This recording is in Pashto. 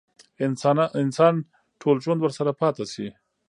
انسان ټول ژوند ورسره پاتې شي.